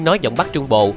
nói giọng bắt trung bộ